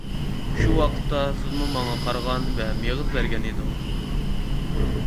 شۇ ۋاقىتتا سىزمۇ ماڭا قارىغان ۋە مېغىز بەرگەن ئىدىڭىز.